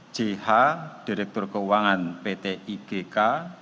jh direktur keuangan ptigk